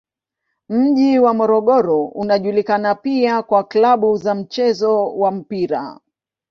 Mji wa Morogoro unajulikana pia kwa klabu za mchezo wa mpira.